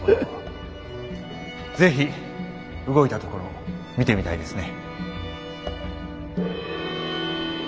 是非動いたところを見てみたいですね。